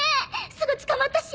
すぐ捕まったし！